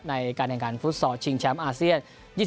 ในการแข่งขันฟุตซอลชิงแชมป์อาเซียน